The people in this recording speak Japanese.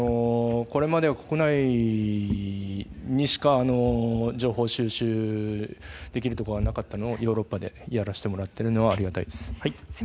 これまで国内にしか情報収集できるところがなかったのをヨーロッパでやらしてもらっているのはありがたいです。